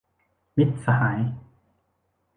มิตรสหาย